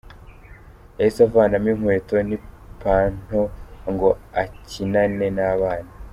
Yahise avanamo inkweto n’impanto ngo akinane n’abana.